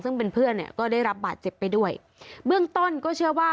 ซึ่งเป็นเพื่อนเนี่ยก็ได้รับบาดเจ็บไปด้วยเบื้องต้นก็เชื่อว่า